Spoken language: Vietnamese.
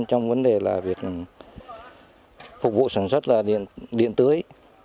trong vấn đề là việc phục vụ sản xuất là điện tưới